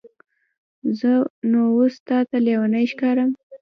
زه نو اوس تاته لیونی ښکارم؟